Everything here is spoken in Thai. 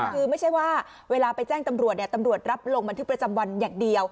คือไม่ใช่ว่าเวลาไปแจ้งตำรวจตำรวจรับลงบันทึกประจำวันอย่างเดียว